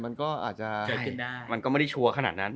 มันก็ไม่ชัวร์ขนาดนั้น